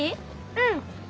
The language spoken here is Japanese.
うん。